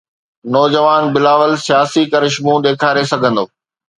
نوجوان بلاول سياسي ڪرشمو ڏيکاري سگهندو؟